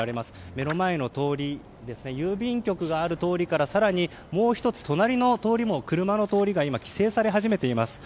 目の前の通り郵便局がある通りからもう１つ隣の通りも車が規制され始めています。